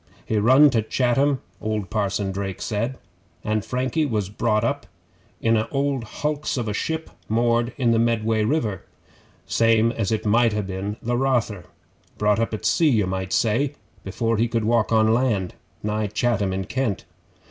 He run to Chatham, old Parson Drake did, an' Frankie was brought up in a old hulks of a ship moored in the Medway river, same as it might ha' been the Rother. Brought up at sea, you might say, before he could walk on land nigh Chatham in Kent.